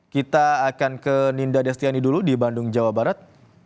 kita akan ke ninda destiani dulu di bandung jawa barat